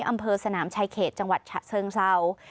อำเภอสนามชายเขตจังหวัดฉะเชิงเศร้า